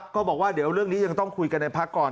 ก็บอกว่าเดี๋ยวเรื่องนี้ยังต้องคุยกันในพักก่อน